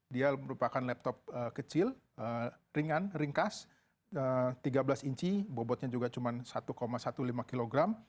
dia merupakan laptop kecil ringan ringkas tiga belas inci bobotnya juga cuma satu lima belas kilogram